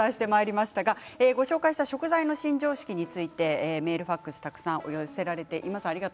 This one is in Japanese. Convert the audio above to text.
紹介した食材のシン・常識についてメール、ファックスたくさん寄せられています。